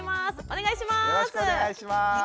お願いします。